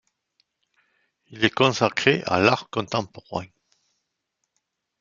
Il est consacré à l’art contemporain.